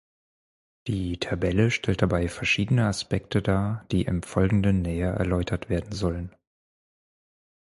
Die Tabelle stellt dabei verschiedene Aspekte dar, die im Folgenden näher erläutert werden sollen.